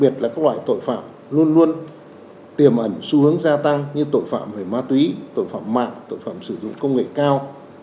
tội phạm luôn luôn tiềm ẩn xu hướng gia tăng như tội phạm về ma túy tội phạm mạng tội phạm sử dụng công nghệ cao